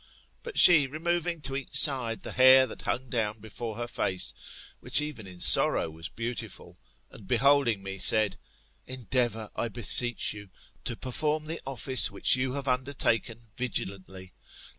But she, removing to each side the hair that hung down before her face, which even in sorrow was beautiful, and beholding me, said, Endeavour, I beseech you, to perform the office which you have undertaken vigilantly.